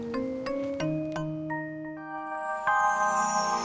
ya udah kan